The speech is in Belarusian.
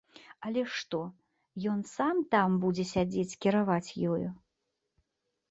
Але што, ён сам там будзе сядзець кіраваць ёю?